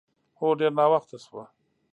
هو، ډېر ناوخته شوه.